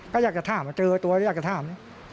ก็อยากจะถามเจอตัวอยากจะถาม